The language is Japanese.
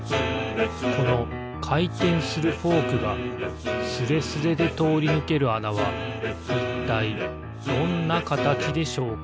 このかいてんするフォークがスレスレでとおりぬけるあなはいったいどんなかたちでしょうか？